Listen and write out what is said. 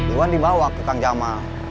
iwan dibawa ke kang jamal